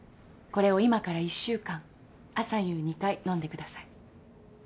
これを今から１週間朝夕２回のんでください。